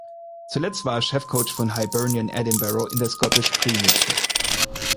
Zuletzt war er Chefcoach von Hibernian Edinburgh in der Scottish Premiership.